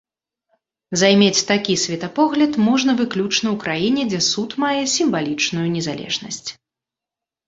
Займець такі светапогляд можна выключна ў краіне, дзе суд мае сімвалічную незалежнасць.